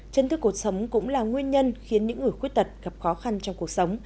chấn thương cuộc sống cũng là nguyên nhân khiến những người khuyết tật gặp khó khăn trong cuộc sống